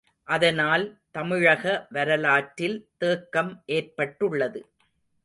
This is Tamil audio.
அதனால் தமிழக வரலாற்றில் தேக்கம் ஏற்பட்டுள்ளது.